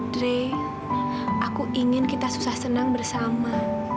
dray aku ingin kita susah senang bersama